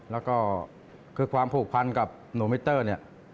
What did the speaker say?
แล้วก็คือความผูกพันกับโนมิเตอร์เนี่ย